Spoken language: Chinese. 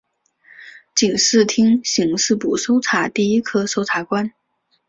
警视厅刑事部搜查第一课搜查官。